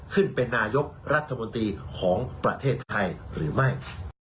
ขึ้นเป็นนายกรัฐมนตรีของประเทศไทยหรือไม่